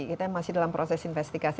kita masih dalam proses investigasi